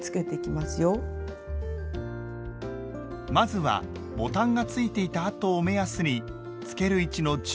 まずはボタンがついていた跡を目安につける位置の中央を１針すくいます。